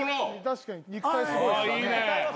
確かに肉体すごいですからね。